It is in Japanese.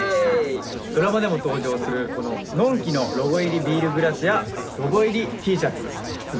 ドラマでも登場するこのＮＯＮＫＩの「ロゴ入りビールグラス」や「ロゴ入りＴシャツ」発売